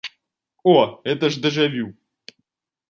О, гэта ж дэжа-вю!